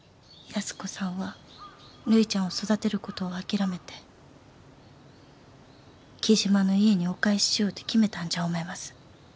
安子さんはるいちゃんを育てることを諦めて雉真の家にお返ししようと決めたんじゃ思います。